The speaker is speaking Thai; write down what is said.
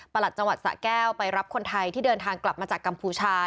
หลัดจังหวัดสะแก้วไปรับคนไทยที่เดินทางกลับมาจากกัมพูชา